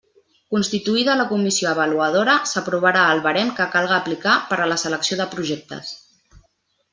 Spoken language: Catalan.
Constituïda la Comissió Avaluadora, s'aprovarà el barem que calga aplicar per a la selecció de projectes.